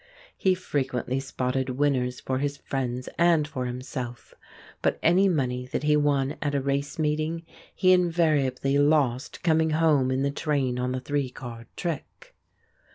He frequently spotted winners for his friends and for himself, but any money that he won at a race meeting he invariably lost coming home in the train on the Three Card Trick.